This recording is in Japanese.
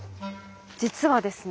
実はですね